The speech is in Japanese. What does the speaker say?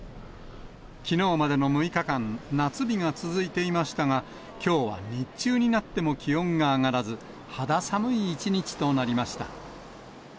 きのうまでの６日間、夏日が続いていましたが、きょうは日中になっても気温が上がらず、肌寒い一日となりました。